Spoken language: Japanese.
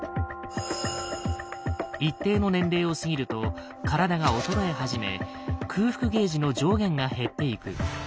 一定の年齢を過ぎると体が衰え始め空腹ゲージの上限が減っていく。